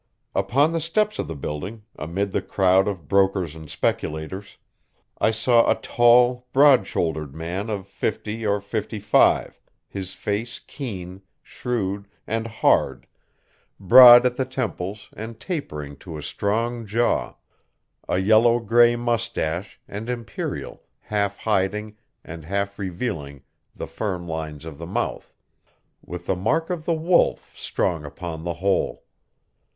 Upon the steps of the building, amid the crowd of brokers and speculators, I saw a tall, broad shouldered man of fifty or fifty five, his face keen, shrewd and hard, broad at the temples and tapering to a strong jaw, a yellow gray mustache and imperial half hiding and half revealing the firm lines of the mouth, with the mark of the wolf strong upon the whole.